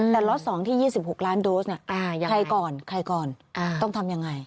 แต่ล็อต๒ที่๒๖ล้านโดสใครก่อนใครก่อนต้องทำยังไง